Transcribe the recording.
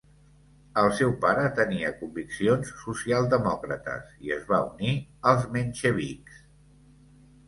El seu pare tenia conviccions socialdemòcrates i es va unir als menxevics.